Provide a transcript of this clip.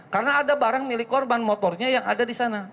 karena ada barang milik korban motornya yang ada disana